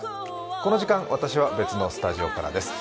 この時間、私は別のスタジオからです。